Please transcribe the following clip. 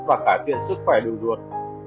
và cải tiện sức khỏe đường ruột